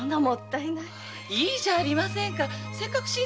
いいじゃありませんか。